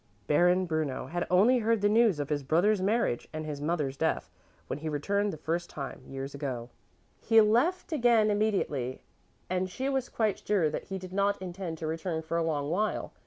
Baron Bruno had only heard the news of his brother's marriage and his mother's death when he returned the first time years ago. He left again immediately, and she was quite sure that he did not intend to return for a long while.